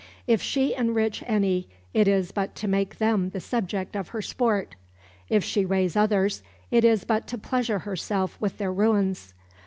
"If she enrich any, it is but to make them the subject of her sport; if she raise others, it is but to pleasure herself with their ruins.